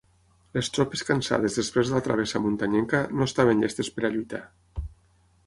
Les tropes cansades després de la travessa muntanyenca, no estaven llestes per lluitar.